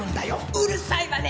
うるさいわね。